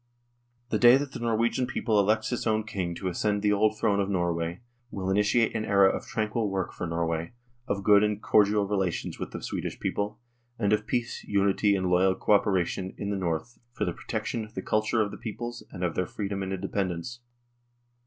" The day that the Norwegian people elects its own THE DISSOLUTION OF THE UNION 115 King to ascend the old throne of Norway, will ini tiate an era of tranquil work for Norway, of good and cordial relations with the Swedish people, and of peace, unity and loyal co operation in the North for the pro tection of the culture of the peoples and of their freedom and independence.